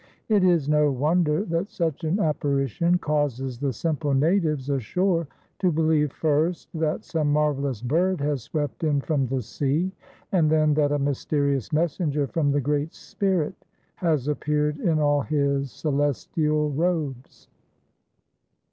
It is no wonder that such an apparition causes the simple natives ashore to believe first that some marvelous bird has swept in from the sea, and then that a mysterious messenger from the Great Spirit has appeared in all his celestial robes.